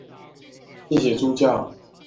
謝謝助教